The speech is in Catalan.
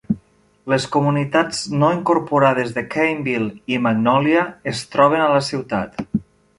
Les comunitats no incorporades de Cainville i Magnolia es troben a la ciutat.